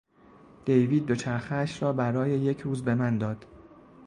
دیوید دوچرخهاش را برای یک روز به من داد.